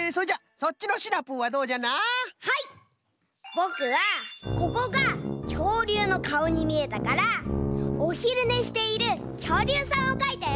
ぼくはここがきょうりゅうのかおにみえたからおひるねしているきょうりゅうさんをかいたよ。